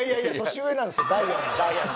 年上なんですよ。